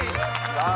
さあ